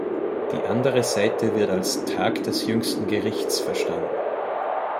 Die andere Seite wird als „Tag des jüngsten Gerichts“ verstanden.